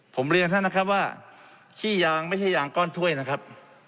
ผมเรียนท่านนะครับว่าขี้ยางไม่ใช่ยางก้อนถ้วยนะครับ